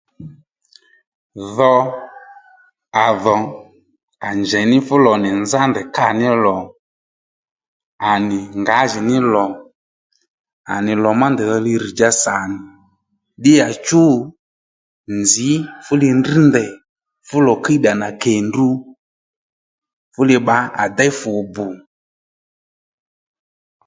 Dho à dhò à njèy ní fú lò nì nzá ndèy kâ ní lò à nì ngǎjìní lò à nì lò má ndèydho li rr̀dja sà nì ddíyachú nzǐ fú li ndrŕ ndèy fúlò kíyddà nà kèndrú fú li bbǎ à déy fùbù